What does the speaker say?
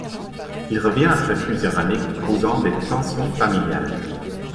Il revient après plusieurs années, causant des tensions familiales.